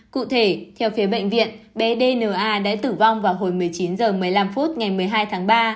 cụ thể theo phía bệnh viện bé dna đã tử vong vào hồi một mươi chín h một mươi năm phút ngày một mươi hai tháng ba